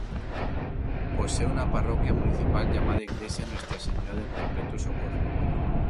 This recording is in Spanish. Posee una parroquia municipal llamada Iglesia nuestra señora del Perpetuo Socorro.